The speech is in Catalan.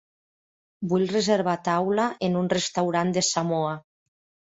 Vull reservar taula en un restaurant de Samoa.